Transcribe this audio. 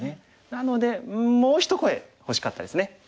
なのでうんもう一声欲しかったですね。